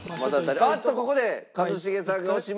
あっとここで一茂さんが押しました。